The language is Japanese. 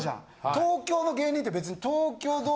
東京の芸人って別に。